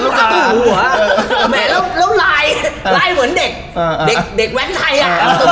แล้วลายเหมือนเด็กแว๊กไทยอ่ะ